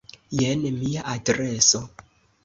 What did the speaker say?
Jen mia adreso.